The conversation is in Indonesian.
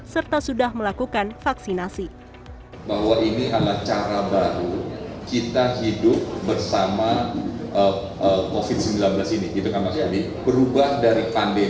serta sudah melakukan vaksinasi